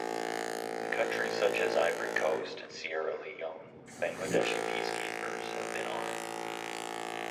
In countries such as Ivory Coast and Sierra Leone, Bangladeshi peacekeepers have been honoured.